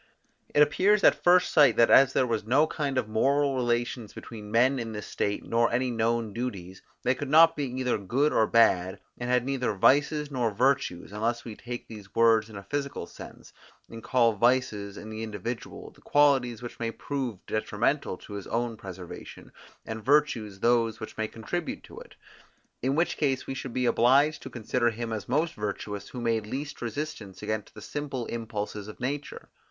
It appears at first sight that, as there was no kind of moral relations between men in this state, nor any known duties, they could not be either good or bad, and had neither vices nor virtues, unless we take these words in a physical sense, and call vices, in the individual, the qualities which may prove detrimental to his own preservation, and virtues those which may contribute to it; in which case we should be obliged to consider him as most virtuous, who made least resistance against the simple impulses of nature.